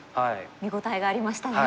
見応えがありましたね。